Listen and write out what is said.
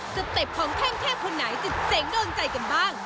เต็ปของแท่งเทพคนไหนจะเจ๋งโดนใจกันบ้าง